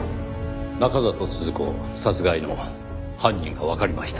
中郷都々子殺害の犯人がわかりました。